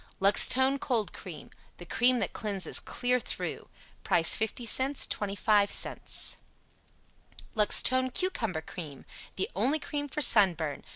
LUXTONE COLD CREAM. The cream that cleanses clear through. Price 50c, 25c. LUXTONE CUCUMBER CREAM. The only cream for sunburn.